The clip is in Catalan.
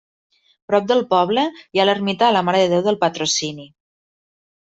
Prop del poble, hi ha l'ermita de la Mare de Déu del Patrocini.